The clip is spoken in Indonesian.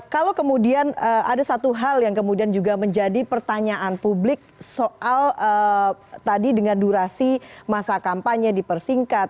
kalau kemudian ada satu hal yang kemudian juga menjadi pertanyaan publik soal tadi dengan durasi masa kampanye dipersingkat